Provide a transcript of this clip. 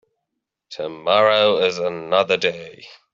Tomorrow is another day.